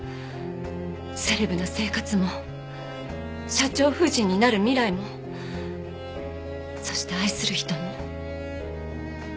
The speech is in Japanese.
セレブな生活も社長夫人になる未来もそして愛する人も。